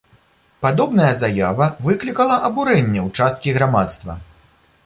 Падобная заява выклікала абурэнне ў часткі грамадства.